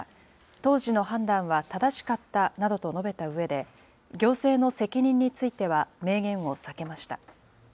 当時の判断は正しかったなどと述べたうえで、行政の責任については明言を避けました。